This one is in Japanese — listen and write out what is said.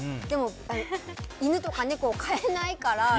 でも、犬とか猫を飼えないから。